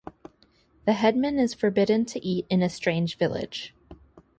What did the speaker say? The headman is forbidden to eat in a strange village.